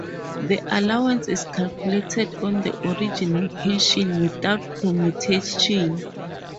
The allowance is calculated on the original pension without commutation.